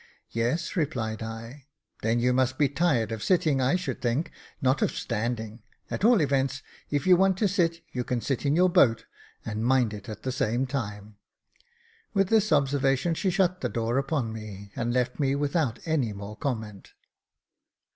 " Yes," replied L " Then you must be tired of sitting, I should think, not of standing , at ail events, if you want to sit, you can sit in your boat, and mind it at the same time." With this observation she shut the door upon me, and left me without any more comment.